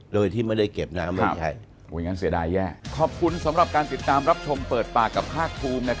โดยที่ไม่ได้เก็บน้ำไม่ใช่